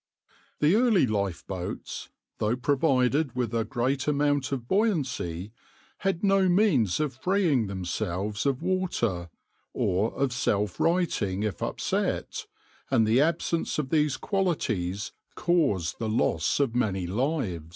The early lifeboats, though provided with a great amount of buoyancy, had no means of freeing themselves of water, or of self righting if upset, and the absence of these qualities caused the loss of many lives.